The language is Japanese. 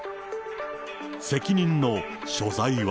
責任の所在は。